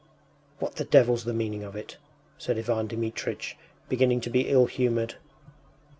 “What the devil’s the meaning of it?” said Ivan Dmitritch, beginning to be ill humoured.